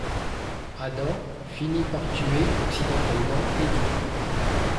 Adam finit par tuer accidentellement Eddie.